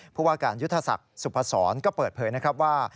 ผู้ว่าการยุทธศักดิ์สุพศรก็เปิดเผยนะครับว่า